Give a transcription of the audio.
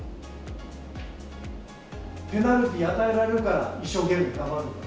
ペナルティー与えられるから、一生懸命頑張るんかい。